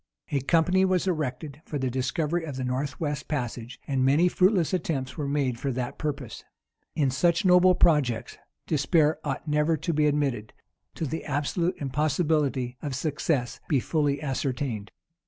A company was erected for the discovery of the north west passage; and many fruitless attempts were made for that purpose. In such noble projects, despair ought never to be admitted, till the absolute impossibility of success be fully ascertained.